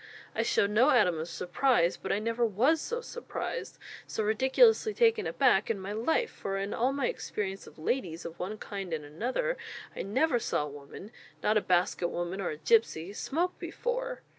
I showed no atom of surprise, but I never was so surprised, so ridiculously taken aback, in my life; for in all my experience of 'ladies' of one kind and another, I never saw a woman not a basket woman or a gipsy smoke before!"